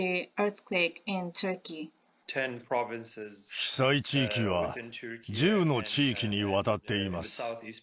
被災地域は、１０の地域にわたっています。